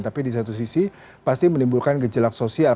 tapi di satu sisi pasti menimbulkan gejelak sosial